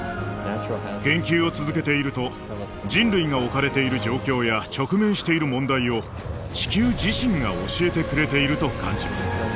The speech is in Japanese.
研究を続けていると人類が置かれている状況や直面している問題を地球自身が教えてくれていると感じます。